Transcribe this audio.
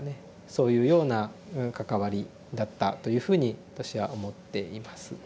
そういうような関わりだったというふうに私は思っています。